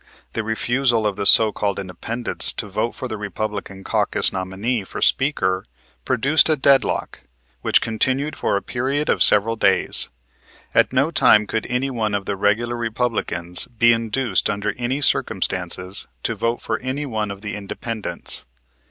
The refusal of the so called Independents to vote for the Republican caucus nominee for Speaker produced a deadlock which continued for a period of several days. At no time could any one of the regular Republicans be induced under any circumstances to vote for any one of the Independents.